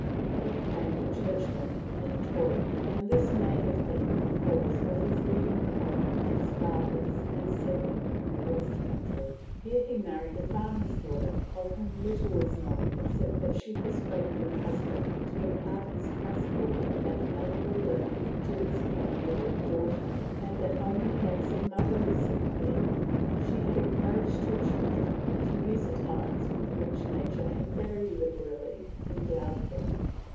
He became a churchman and a Tory; and this may have been the cause of his leaving the home of his fathers, and settling in the West Country. He here married a farmer's daughter, of whom little is known except that she persuaded her husband to impart his classical and mathematical learning to his clever little daughter, and that by many acts of motherly sympathy she encouraged her children to use the talents with which Nature had very liberally endowed them.